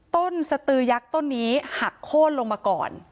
สตือยักษ์ต้นนี้หักโค้นลงมาก่อน